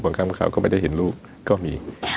บางครั้งบางคราวก็ไม่ได้เห็นลูกก็มี